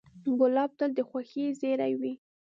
ګلاب تل د خوښۍ زېری وي.